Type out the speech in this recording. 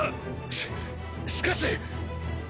ししかし！